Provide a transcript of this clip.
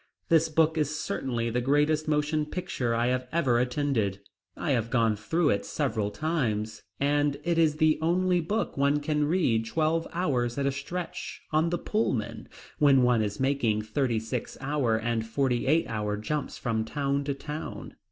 This book is certainly the greatest motion picture I ever attended. I have gone through it several times, and it is the only book one can read twelve hours at a stretch, on the Pullman, when he is making thirty six hour and forty eight hour jumps from town to town.